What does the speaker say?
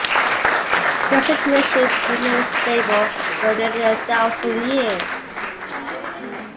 This situation remained stable for nearly a thousand years.